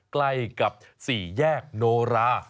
ใกล้กับ๔แยกโนรา